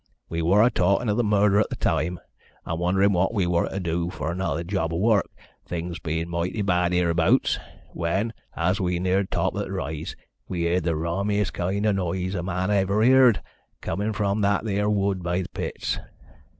We wor a talkin' o' th' murder at th' time, and wonderin' what we wor to do fur another job o' work, things bein' moighty bad heerabouts, when, as we neared top o' th' rise, we heered the rummiest kind o' noise a man ever heerd, comin' from that theer wood by th' pits.